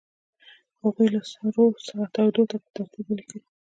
هغوی له سړو څخه تودو ته په ترتیب ولیکئ.